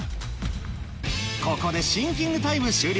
ここでシンキングタイム終了